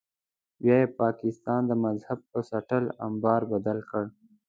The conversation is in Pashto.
بیا یې پاکستان د مذهب په چټل امبار بدل کړ.